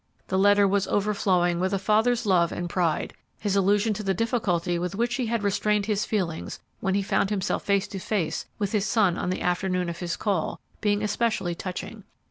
The letter was overflowing with a father's love and pride; his allusion to the difficulty with which he had restrained his feelings when he found himself face to face with his son on the afternoon of his call, being especially touching.